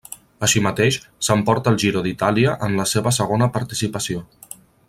Així mateix, s'emporta el Giro d'Itàlia en la seva segona participació.